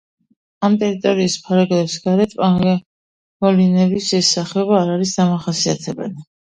ამ ტერიტორიის ფარგლებს გარეთ პანგოლინების ეს სახეობა არ არის დამახასიათებელი.